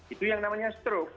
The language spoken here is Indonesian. itu yang namanya struk